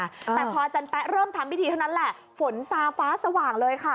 แต่พออาจารย์แป๊ะเริ่มทำพิธีเท่านั้นแหละฝนซาฟ้าสว่างเลยค่ะ